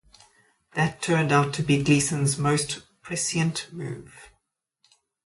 That turned out to be Gleason's most prescient move.